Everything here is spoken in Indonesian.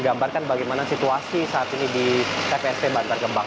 pemulung yang terlihat di tpst bantar gebang